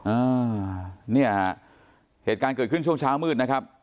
อ่าเนี่ยฮะเหตุการณ์เกิดขึ้นช่วงเช้ามืดนะครับ